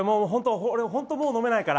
俺、本当もう飲めないから。